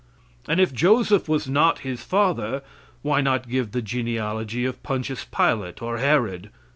And if Joseph was not his father, why not give the genealogy of Pontius Pilate or Herod?